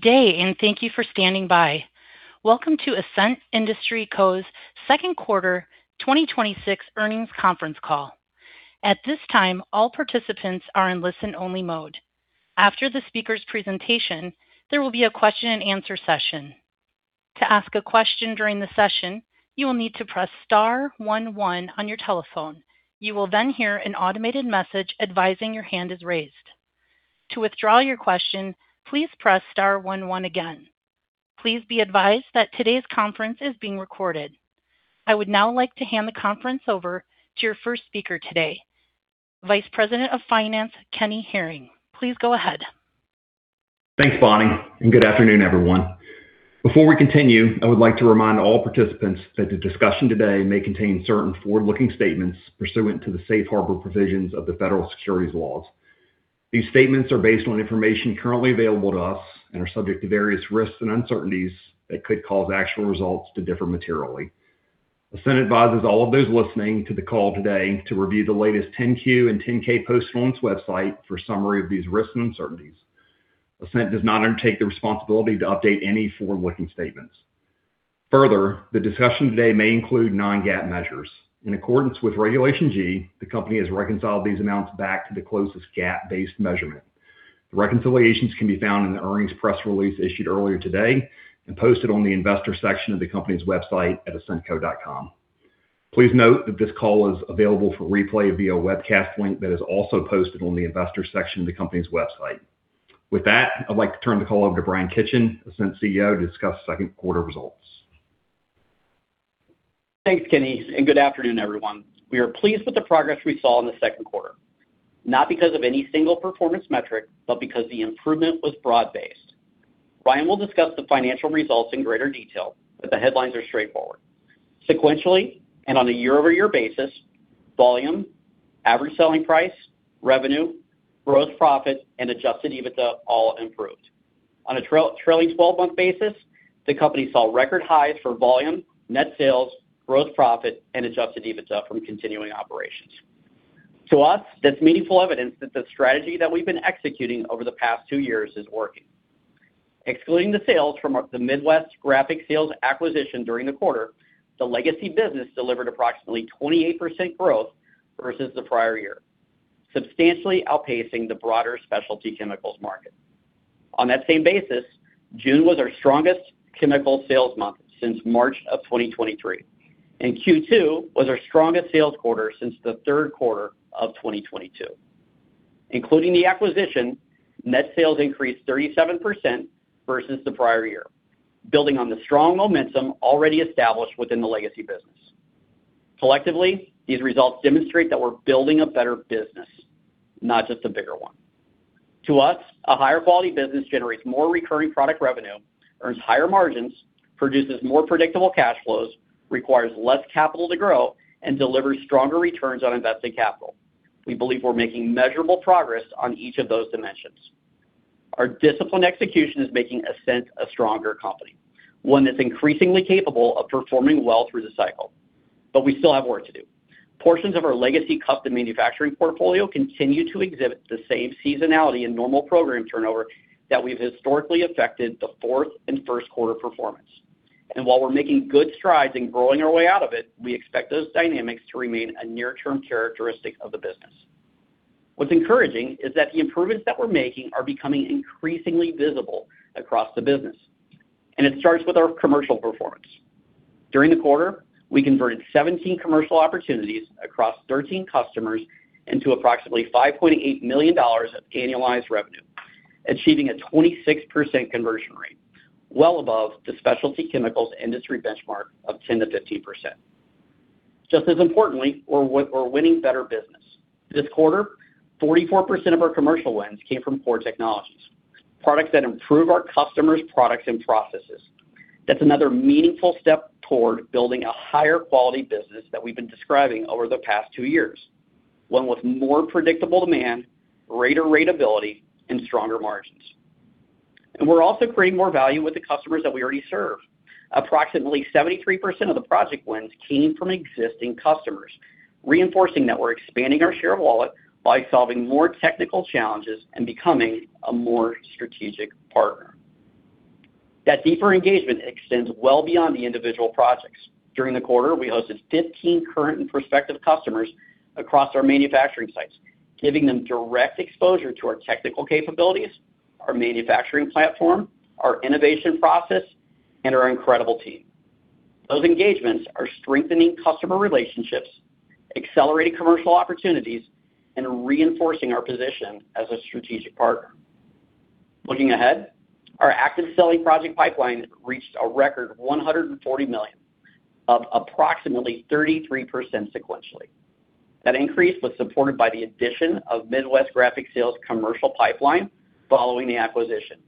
Good day. Thank you for standing by. Welcome to Ascent Industries Co.'s second quarter 2026 earnings conference call. At this time, all participants are in listen-only mode. After the speaker's presentation, there will be a question and answer session. To ask a question during the session, you will need to press star one one on your telephone. You will then hear an automated message advising your hand is raised. To withdraw your question, please press star one one again. Please be advised that today's conference is being recorded. I would now like to hand the conference over to your first speaker today, Vice President of Finance, Kenny Herring. Please go ahead. Thanks, Bonnie. Good afternoon, everyone. Before we continue, I would like to remind all participants that the discussion today may contain certain forward-looking statements pursuant to the safe harbor provisions of the Federal Securities laws. These statements are based on information currently available to us and are subject to various risks and uncertainties that could cause actual results to differ materially. Ascent advises all of those listening to the call today to review the latest 10-Q and 10-K posts on its website for summary of these risks and uncertainties. Ascent does not undertake the responsibility to update any forward-looking statements. Further, the discussion today may include non-GAAP measures. In accordance with Regulation G, the company has reconciled these amounts back to the closest GAAP-based measurement. The reconciliations can be found in the earnings press release issued earlier today and posted on the investor section of the company's website at ascentco.com. Please note that this call is available for replay via webcast link that is also posted on the investor section of the company's website. I'd like to turn the call over to Bryan Kitchen, Ascent CEO, to discuss second quarter results. Thanks, Kenny. Good afternoon, everyone. We are pleased with the progress we saw in the second quarter, not because of any single performance metric, but because the improvement was broad-based. Ryan will discuss the financial results in greater detail. The headlines are straightforward. Sequentially, on a year-over-year basis, volume, average selling price, revenue, gross profit, and adjusted EBITDA all improved. On a trailing 12-month basis, the company saw record highs for volume, net sales, gross profit, and adjusted EBITDA from continuing operations. To us, that's meaningful evidence that the strategy that we've been executing over the past two years is working. Excluding the sales from the Midwest Graphic Sales acquisition during the quarter, the legacy business delivered approximately 28% growth versus the prior year, substantially outpacing the broader specialty chemicals market. On that same basis, June was our strongest chemical sales month since March of 2023. Q2 was our strongest sales quarter since the third quarter of 2022. Including the acquisition, net sales increased 37% versus the prior year, building on the strong momentum already established within the legacy business. Collectively, these results demonstrate that we're building a better business, not just a bigger one. To us, a higher quality business generates more recurring product revenue, earns higher margins, produces more predictable cash flows, requires less capital to grow, and delivers stronger returns on invested capital. We believe we're making measurable progress on each of those dimensions. Our disciplined execution is making Ascent a stronger company, one that's increasingly capable of performing well through the cycle. We still have work to do. Portions of our legacy custom manufacturing portfolio continue to exhibit the same seasonality and normal program turnover that we've historically affected the fourth and first quarter performance. While we're making good strides in growing our way out of it, we expect those dynamics to remain a near-term characteristic of the business. What's encouraging is that the improvements that we're making are becoming increasingly visible across the business. It starts with our commercial performance. During the quarter, we converted 17 commercial opportunities across 13 customers into approximately $5.8 million of annualized revenue, achieving a 26% conversion rate, well above the specialty chemicals industry benchmark of 10%-15%. Just as importantly, we're winning better business. This quarter, 44% of our commercial wins came from core technologies, products that improve our customers' products and processes. That's another meaningful step toward building a higher quality business that we've been describing over the past two years. One with more predictable demand, greater ratability, and stronger margins. We're also creating more value with the customers that we already serve. Approximately 73% of the project wins came from existing customers, reinforcing that we're expanding our share of wallet by solving more technical challenges and becoming a more strategic partner. That deeper engagement extends well beyond the individual projects. During the quarter, we hosted 15 current and prospective customers across our manufacturing sites, giving them direct exposure to our technical capabilities, our manufacturing platform, our innovation process, and our incredible team. Those engagements are strengthening customer relationships, accelerating commercial opportunities, and reinforcing our position as a strategic partner. Looking ahead, our active selling project pipeline reached a record $140 million, up approximately 33% sequentially. That increase was supported by the addition of Midwest Graphic Sales commercial pipeline following the acquisition,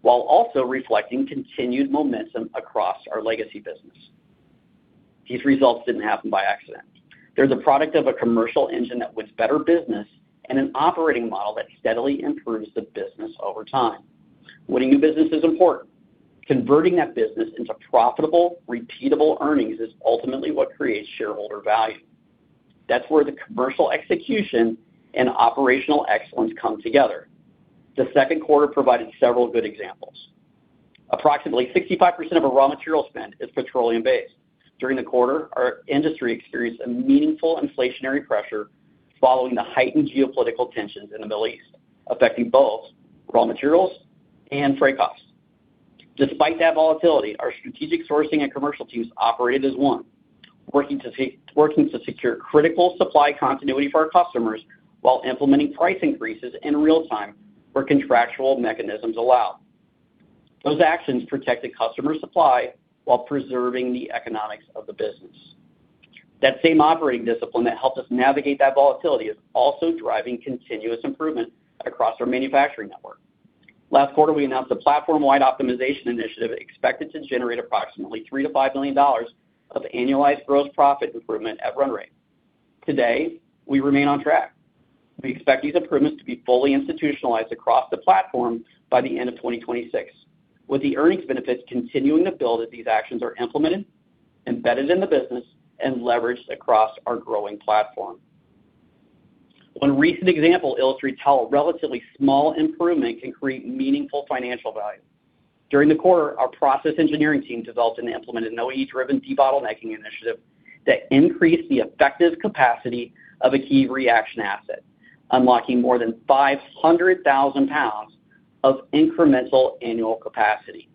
while also reflecting continued momentum across our legacy business. These results didn't happen by accident. They're the product of a commercial engine that wins better business and an operating model that steadily improves the business over time. Winning new business is important. Converting that business into profitable, repeatable earnings is ultimately what creates shareholder value. That's where the commercial execution and Operational Excellence come together. The second quarter provided several good examples. Approximately 65% of our raw material spend is petroleum-based. During the quarter, our industry experienced a meaningful inflationary pressure following the heightened geopolitical tensions in the Middle East, affecting both raw materials and freight costs. Despite that volatility, our strategic sourcing and commercial teams operated as one, working to secure critical supply continuity for our customers while implementing price increases in real time where contractual mechanisms allow. Those actions protected customer supply while preserving the economics of the business. That same operating discipline that helped us navigate that volatility is also driving continuous improvement across our manufacturing network. Last quarter, we announced a platform-wide optimization initiative expected to generate approximately $3 million-$5 million of annualized gross profit improvement at run rate. Today, we remain on track. We expect these improvements to be fully institutionalized across the platform by the end of 2026, with the earnings benefits continuing to build as these actions are implemented, embedded in the business, and leveraged across our growing platform. One recent example illustrates how a relatively small improvement can create meaningful financial value. During the quarter, our process engineering team developed and implemented an OE-driven debottlenecking initiative that increased the effective capacity of a key reaction asset, unlocking more than 500,000 pounds of incremental annual capacity.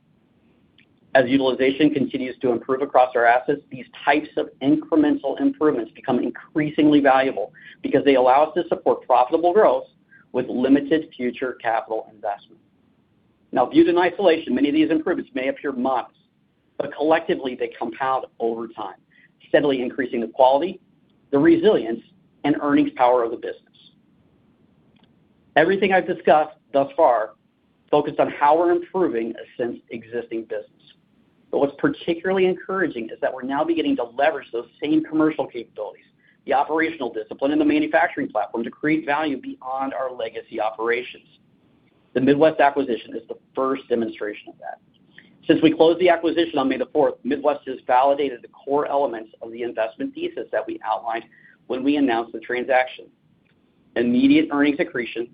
As utilization continues to improve across our assets, these types of incremental improvements become increasingly valuable because they allow us to support profitable growth with limited future capital investment. Viewed in isolation, many of these improvements may appear modest. Collectively, they compound over time, steadily increasing the quality, the resilience, and earnings power of the business. Everything l regard so far focus on how to improve the sales of existing business. What's particularly encouraging is that we're now beginning to leverage those same commercial capabilities, the operational discipline in the manufacturing platform, to create value beyond our legacy operations. The Midwest acquisition is the first demonstration of that. Since we closed the acquisition on May the fourth, Midwest has validated the core elements of the investment thesis that we outlined when we announced the transaction. Immediate earnings accretion,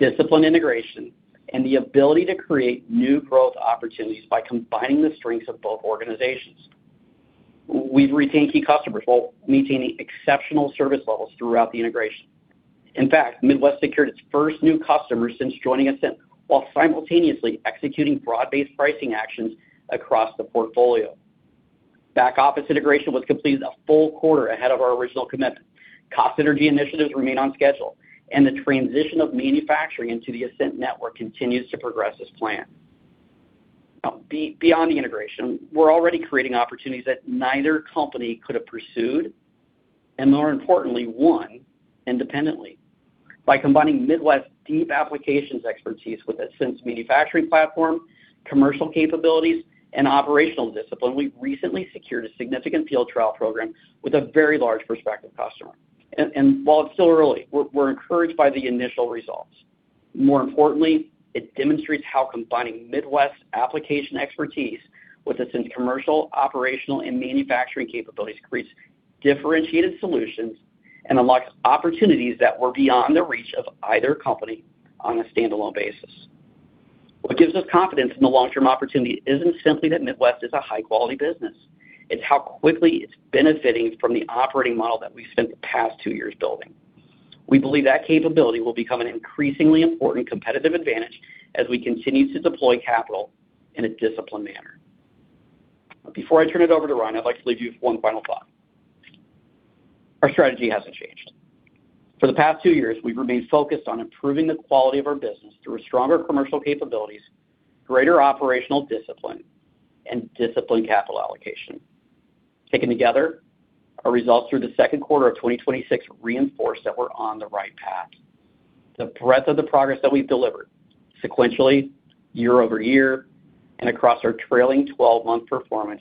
disciplined integration, and the ability to create new growth opportunities by combining the strengths of both organizations. We've retained key customers while maintaining exceptional service levels throughout the integration. Midwest secured its first new customer since joining us in, while simultaneously executing broad-based pricing actions across the portfolio. Back office integration was completed a full quarter ahead of our original commitment. Cost synergy initiatives remain on schedule, and the transition of manufacturing into the Ascent network continues to progress as planned. Beyond the integration, we're already creating opportunities that neither company could have pursued, and more importantly, one independently. By combining Midwest's deep applications expertise with Ascent's manufacturing platform, commercial capabilities, and operational discipline, we've recently secured a significant field trial program with a very large prospective customer. While it's still early, we're encouraged by the initial results. More importantly, it demonstrates how combining Midwest application expertise with Ascent's commercial, operational, and manufacturing capabilities creates differentiated solutions and unlocks opportunities that were beyond the reach of either company on a standalone basis. What gives us confidence in the long-term opportunity isn't simply that Midwest is a high-quality business. It's how quickly it's benefiting from the operating model that we've spent the past two years building. We believe that capability will become an increasingly important competitive advantage as we continue to deploy capital in a disciplined manner. Before I turn it over to Ryan, I'd like to leave you with one final thought. Our strategy hasn't changed. For the past two years, we've remained focused on improving the quality of our business through stronger commercial capabilities, greater operational discipline, and disciplined capital allocation. Taken together, our results through the second quarter of 2026 reinforce that we're on the right path. The breadth of the progress that we've delivered sequentially, year-over-year, and across our trailing 12-month performance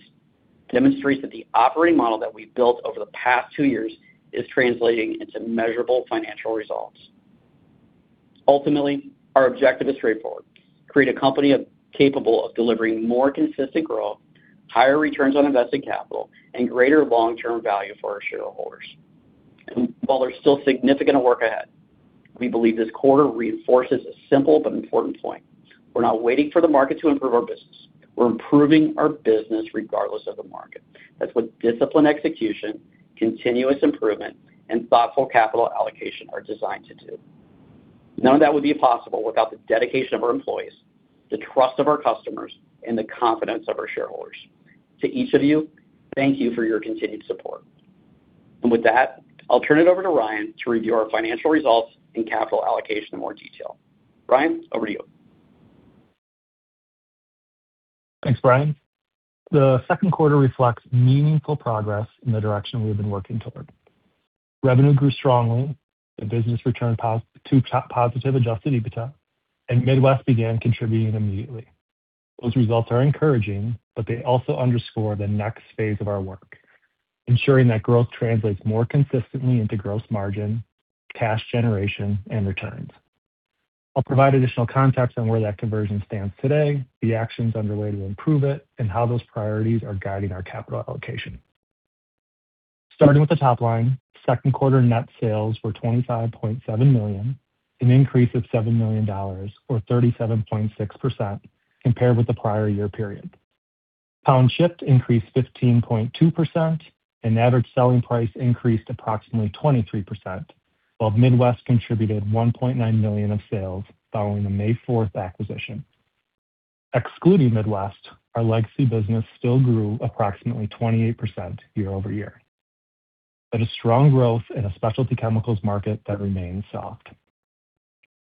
demonstrates that the operating model that we've built over the past two years is translating into measurable financial results. Ultimately, our objective is straightforward. Create a company capable of delivering more consistent growth, higher returns on invested capital, and greater long-term value for our shareholders. While there's still significant work ahead, we believe this quarter reinforces a simple but important point. We're not waiting for the market to improve our business. We're improving our business regardless of the market. That's what disciplined execution, continuous improvement, and thoughtful capital allocation are designed to do. None of that would be possible without the dedication of our employees, the trust of our customers, and the confidence of our shareholders. To each of you, thank you for your continued support. With that, I'll turn it over to Ryan to review our financial results and capital allocation in more detail. Ryan, over to you. Thanks, Bryan. The second quarter reflects meaningful progress in the direction we've been working toward. Revenue grew strongly, the business returned to positive adjusted EBITDA, and Midwest began contributing immediately. Those results are encouraging, but they also underscore the next phase of our work, ensuring that growth translates more consistently into gross margin, cash generation, and returns. I'll provide additional context on where that conversion stands today, the actions underway to improve it, and how those priorities are guiding our capital allocation. Starting with the top line, second quarter net sales were $25.7 million, an increase of $7 million, or 37.6%, compared with the prior year period. Pounds shipped increased 15.2%, and average selling price increased approximately 23%, while Midwest contributed $1.9 million of sales following the May 4th acquisition. Excluding Midwest, our legacy business still grew approximately 28% year-over-year. That is strong growth in a specialty chemicals market that remains soft.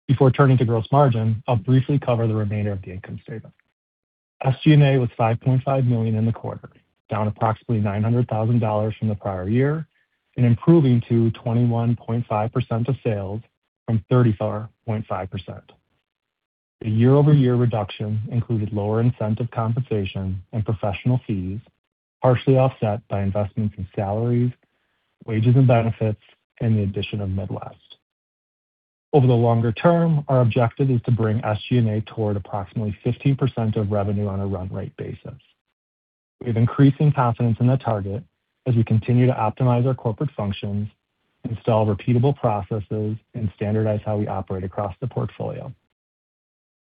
Before turning to gross margin, I'll briefly cover the remainder of the income statement. SGA was $5.5 million in the quarter, down approximately $900,000 from the prior year and improving to 21.5% of sales from 34.5%. The year-over-year reduction included lower incentive compensation and professional fees, partially offset by investments in salaries, wages and benefits, and the addition of Midwest. Over the longer term, our objective is to bring SGA toward approximately 15% of revenue on a run rate basis. We have increasing confidence in the target as we continue to optimize our corporate functions, install repeatable processes, and standardize how we operate across the portfolio.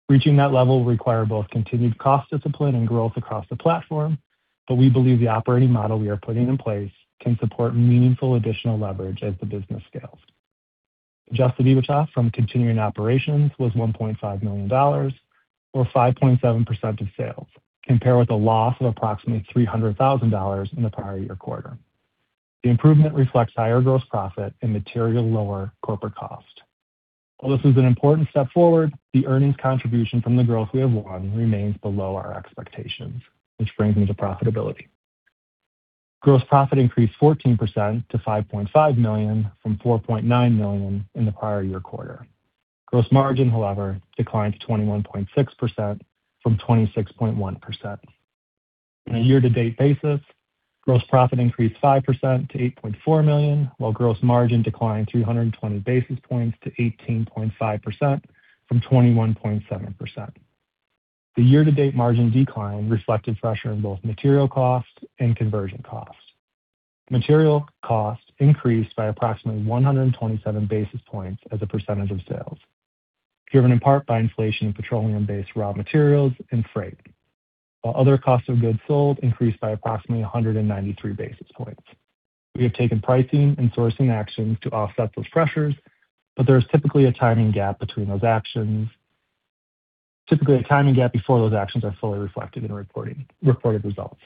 Reaching that level will require both continued cost discipline and growth across the platform, but we believe the operating model we are putting in place can support meaningful additional leverage as the business scales. Adjusted EBITDA from continuing operations was $1.5 million, or 5.7% of sales, compared with a loss of approximately $300,000 in the prior year quarter. The improvement reflects higher gross profit and material lower corporate cost. While this is an important step forward, the earnings contribution from the growth we have won remains below our expectations, which brings me to profitability. Gross profit increased 14% to $5.5 million from $4.9 million in the prior year quarter. Gross margin, however, declined to 21.6% from 26.1%. On a year-to-date basis, gross profit increased 5% to $8.4 million, while gross margin declined 320 basis points to 18.5% from 21.7%. The year-to-date margin decline reflected pressure in both material costs and conversion costs. Material costs increased by approximately 127 basis points as a percentage of sales, driven in part by inflation in petroleum-based raw materials and freight, while other costs of goods sold increased by approximately 193 basis points. We have taken pricing and sourcing actions to offset those pressures, but there is typically a timing gap before those actions are fully reflected in reported results.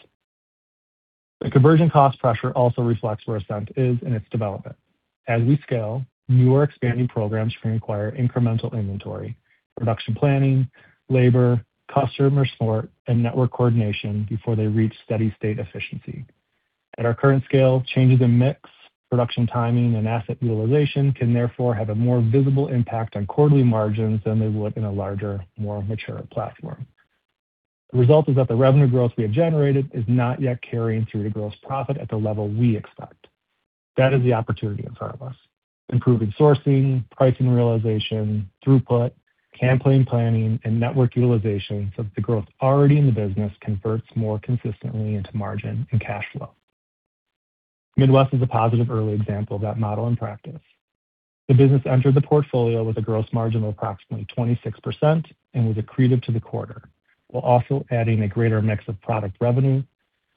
The conversion cost pressure also reflects where Ascent is in its development. As we scale, new or expanding programs can require incremental inventory, production planning, labor, customer support, and network coordination before they reach steady state efficiency. At our current scale, changes in mix, production timing, and asset utilization can therefore have a more visible impact on quarterly margins than they would in a larger, more mature platform. The result is that the revenue growth we have generated is not yet carrying through to gross profit at the level we expect. That is the opportunity in front of us. Improving sourcing, pricing realization, throughput, campaign planning, and network utilization so that the growth already in the business converts more consistently into margin and cash flow. Midwest is a positive early example of that model in practice. The business entered the portfolio with a gross margin of approximately 26% and was accretive to the quarter, while also adding a greater mix of product revenue,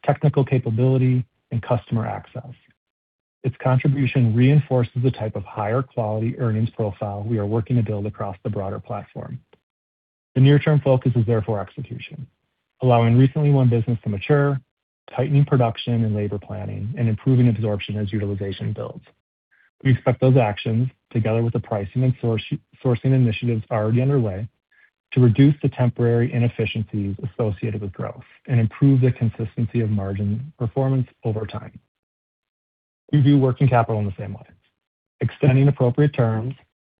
technical capability and customer access. Its contribution reinforces the type of higher quality earnings profile we are working to build across the broader platform. The near-term focus is therefore execution, allowing recently won business to mature, tightening production and labor planning, and improving absorption as utilization builds. We expect those actions, together with the pricing and sourcing initiatives already underway, to reduce the temporary inefficiencies associated with growth and improve the consistency of margin performance over time. We view working capital in the same light. Extending appropriate terms,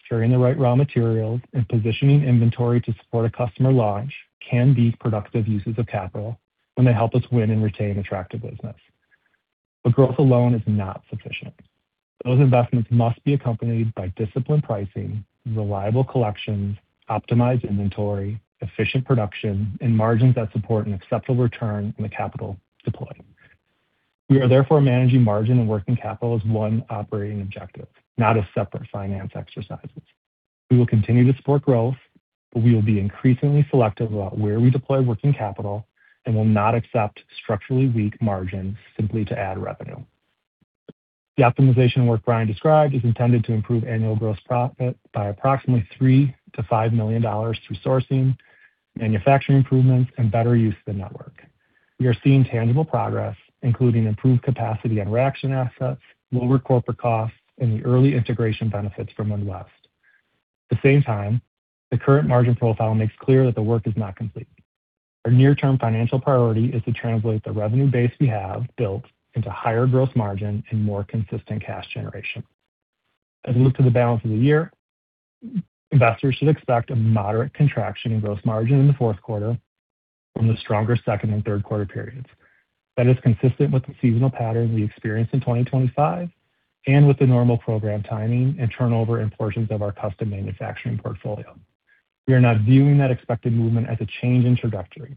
carrying the right raw materials, and positioning inventory to support a customer launch can be productive uses of capital when they help us win and retain attractive business. Growth alone is not sufficient. Those investments must be accompanied by disciplined pricing, reliable collections, optimized inventory, efficient production, and margins that support an acceptable return on the capital deployed. We are therefore managing margin and working capital as one operating objective, not as separate finance exercises. We will continue to support growth, but we will be increasingly selective about where we deploy working capital and will not accept structurally weak margins simply to add revenue. The optimization work Bryan described is intended to improve annual gross profit by approximately $3 million-$5 million through sourcing, manufacturing improvements, and better use of the network. We are seeing tangible progress, including improved capacity on reaction assets, lower corporate costs, and the early integration benefits from Midwest. At the same time, the current margin profile makes clear that the work is not complete. Our near term financial priority is to translate the revenue base we have built into higher gross margin and more consistent cash generation. As we look to the balance of the year, investors should expect a moderate contraction in gross margin in the fourth quarter from the stronger second and third quarter periods. That is consistent with the seasonal pattern we experienced in 2025, and with the normal program timing and turnover in portions of our custom manufacturing portfolio. We are not viewing that expected movement as a change in trajectory.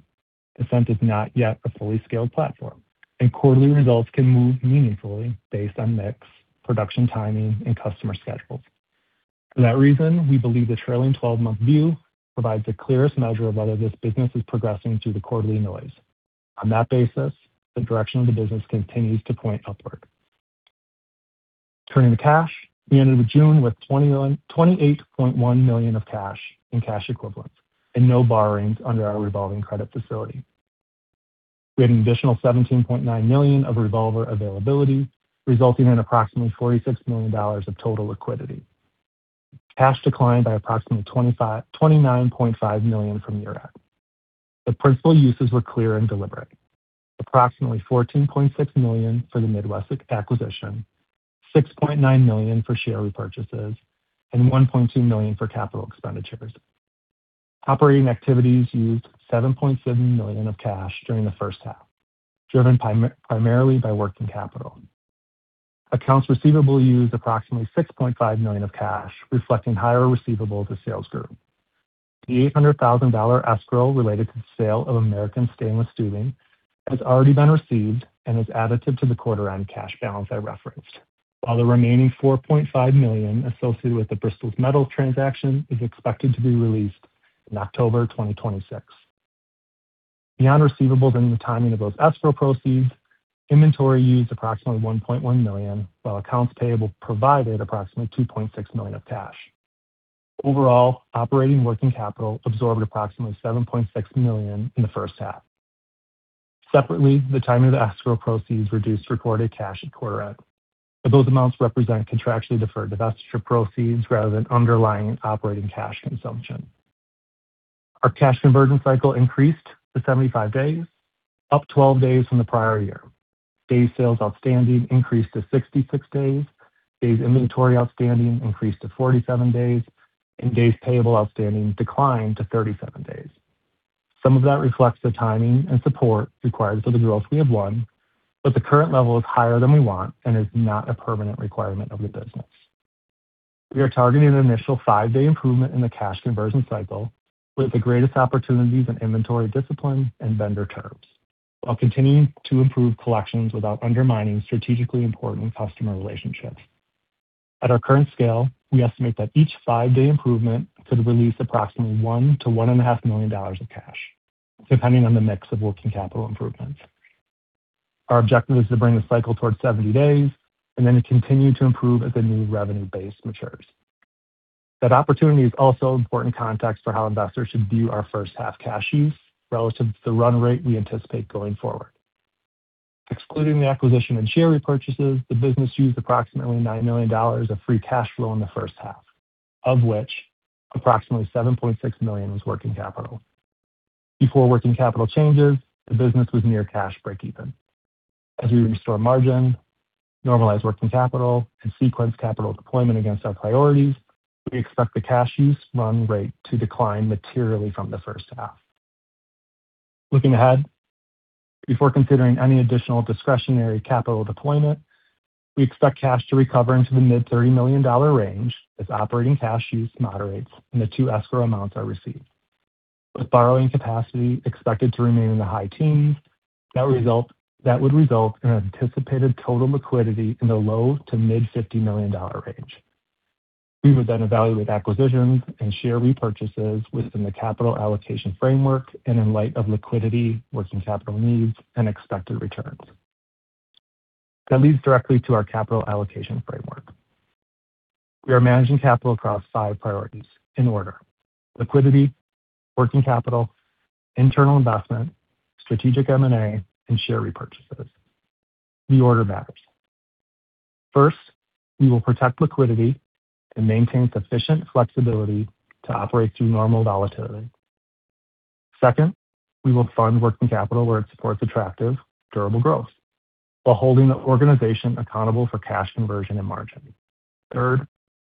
Ascent is not yet a fully scaled platform, and quarterly results can move meaningfully based on mix, production timing, and customer schedules. For that reason, we believe the trailing 12-month view provides the clearest measure of whether this business is progressing through the quarterly noise. On that basis, the direction of the business continues to point upward. Turning to cash, we ended June with $28.1 million of cash and cash equivalents and no borrowings under our revolving credit facility. We had an additional $17.9 million of revolver availability, resulting in approximately $46 million of total liquidity. Cash declined by approximately $29.5 million from year-end. The principal uses were clear and deliberate. Approximately $14.6 million for the Midwest acquisition, $6.9 million for share repurchases, and $1.2 million for capital expenditures. Operating activities used $7.7 million of cash during the first half, driven primarily by working capital. Accounts receivable used approximately $6.5 million of cash, reflecting higher receivables sales growth. The $800,000 escrow related to the sale of American Stainless Tubing has already been received and is additive to the quarter end cash balance I referenced. While the remaining $4.5 million associated with the Bristol Metal transaction is expected to be released in October 2026. Beyond receivables and the timing of those escrow proceeds, inventory used approximately $1.1 million, while accounts payable provided approximately $2.6 million of cash. Overall, operating working capital absorbed approximately $7.6 million in the first half. Separately, the timing of the escrow proceeds reduced recorded cash at quarter end, but those amounts represent contractually deferred divestiture proceeds rather than underlying operating cash consumption. Our cash conversion cycle increased to 75 days, up 12 days from the prior year. Days sales outstanding increased to 66 days. Days inventory outstanding increased to 47 days. Days payable outstanding declined to 37 days. Some of that reflects the timing and support required for the growth we have won, but the current level is higher than we want and is not a permanent requirement of the business. We are targeting an initial five day improvement in the cash conversion cycle, with the greatest opportunities in inventory discipline and vendor terms, while continuing to improve collections without undermining strategically important customer relationships. At our current scale, we estimate that each five day improvement could release approximately $1 million-$1.5 million of cash, depending on the mix of working capital improvements. Our objective is to bring the cycle towards 70 days and then to continue to improve as the new revenue base matures. That opportunity is also important context for how investors should view our first half cash use relative to the run rate we anticipate going forward. Excluding the acquisition and share repurchases, the business used approximately $9 million of free cash flow in the first half, of which approximately $7.6 million was working capital. Before working capital changes, the business was near cash breakeven. As we restore margin, normalize working capital, and sequence capital deployment against our priorities, we expect the cash use run rate to decline materially from the first half. Looking ahead, before considering any additional discretionary capital deployment, we expect cash to recover into the mid $30 million range as operating cash use moderates and the two escrow amounts are received. With borrowing capacity expected to remain in the high teens, that would result in an anticipated total liquidity in the low to mid $50 million range. We would then evaluate acquisitions and share repurchases within the capital allocation framework and in light of liquidity, working capital needs, and expected returns. That leads directly to our capital allocation framework. We are managing capital across five priorities in order: liquidity, working capital, internal investment, strategic M&A, and share repurchases. The order matters. First, we will protect liquidity and maintain sufficient flexibility to operate through normal volatility. Second, we will fund working capital where it supports attractive, durable growth while holding the organization accountable for cash conversion and margin. Third,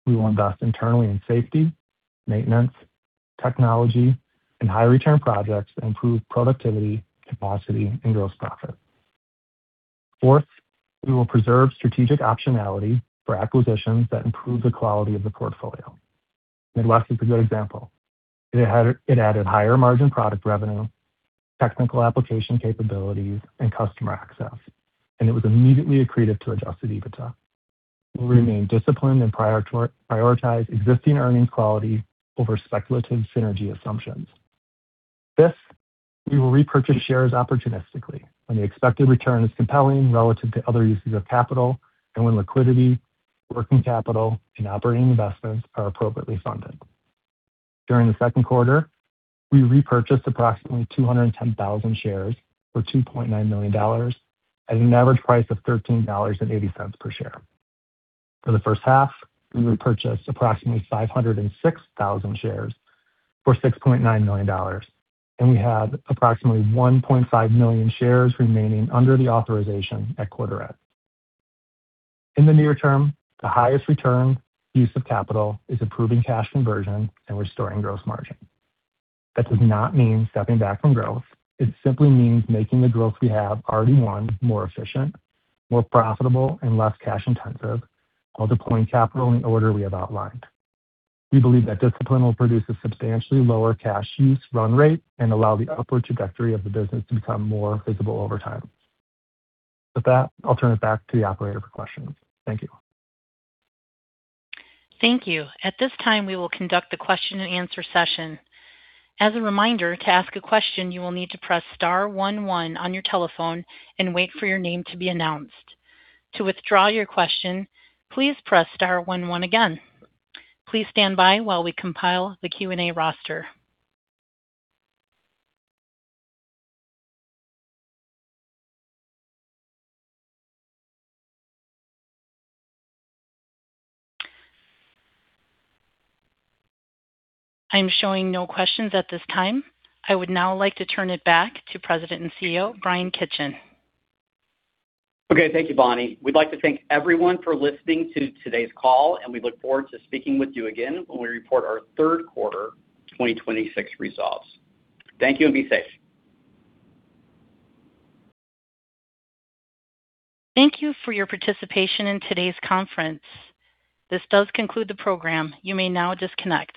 we will invest internally in safety, maintenance, technology, and high return projects that improve productivity, capacity, and gross profit. Fourth, we will preserve strategic optionality for acquisitions that improve the quality of the portfolio. Midwest is a good example. It added higher margin product revenue, technical application capabilities, and customer access, and it was immediately accretive to adjusted EBITDA. We'll remain disciplined and prioritize existing earnings quality over speculative synergy assumptions. Fifth, we will repurchase shares opportunistically when the expected return is compelling relative to other uses of capital, and when liquidity, working capital, and operating investments are appropriately funded. During the second quarter, we repurchased approximately 210,000 shares for $2.9 million at an average price of $13.80 per share. For the first half, we repurchased approximately 506,000 shares for $6.9 million, and we had approximately 1.5 million shares remaining under the authorization at quarter end. In the near term, the highest return use of capital is improving cash conversion and restoring gross margin. That does not mean stepping back from growth. It simply means making the growth we have already won more efficient, more profitable, and less cash intensive while deploying capital in the order we have outlined. We believe that discipline will produce a substantially lower cash use run rate and allow the upward trajectory of the business to become more visible over time. With that, I'll turn it back to the Operator for questions. Thank you. Thank you. At this time, we will conduct the question and answer session. As a reminder, to ask a question, you will need to press star one one on your telephone and wait for your name to be announced. To withdraw your question, please press star one one again. Please stand by while we compile the Q&A roster. I am showing no questions at this time. I would now like to turn it back to President and CEO, Bryan Kitchen. Okay. Thank you, Bonnie. We'd like to thank everyone for listening to today's call, and we look forward to speaking with you again when we report our third quarter 2026 results. Thank you, and be safe. Thank you for your participation in today's conference. This does conclude the program. You may now disconnect.